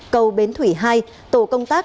cầu bến thủy hai tổ công tác